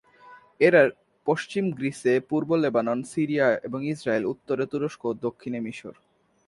এর পশ্চিমে গ্রিস, পূর্বে লেবানন, সিরিয়া এবং ইসরাইল, উত্তরে তুরস্ক ও দক্ষিণে মিসর।